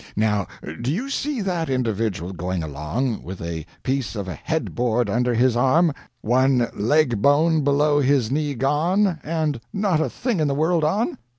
Now do you see that individual going along with a piece of a head board under his arm, one leg bone below his knee gone, and not a thing in the world on?